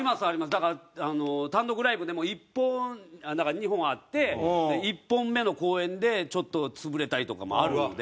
だから単独ライブでも１本だから２本あって１本目の公演でちょっと潰れたりとかもあるので。